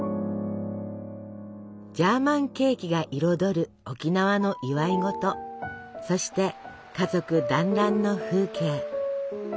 ジャーマンケーキが彩る沖縄の祝い事そして家族団らんの風景。